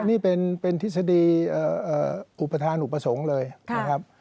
นี่เป็นทฤษฎีอุปทานอุปสรรค์เลยนะครับ